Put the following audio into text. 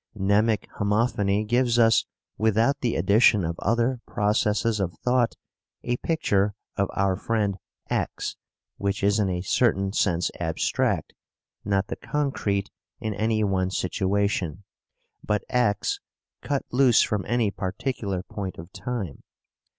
Mnemic homophony gives us, without the addition of other processes of thought, a picture of our friend X which is in a certain sense abstract, not the concrete in any one situation, but X cut loose from any particular point of time.